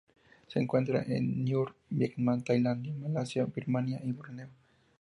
Se encuentra en North-Vietnam, Tailandia, Malasia, Birmania y Borneo.